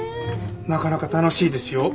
なかなか楽しいですよ。